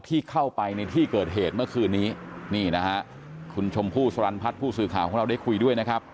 ที่เข้าไปในที่เกิดเหตุเมื่อคืนนี้นี่นะฮะคุณชมพู่สรรพัฒน์ผู้สื่อข่าวของเราได้คุยด้วยนะครับ